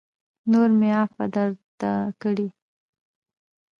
نور مې عفوه درته کړې